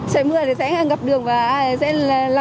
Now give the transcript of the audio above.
trời mưa thì sẽ ngập đường và sẽ lẩy lên